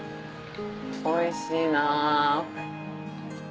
おいしいな。